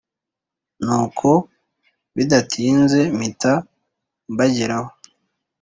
Nuko bidatinze mpita mbageraho